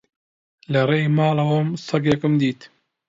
لە ڕێی ماڵەوەم سەگێکم دیت.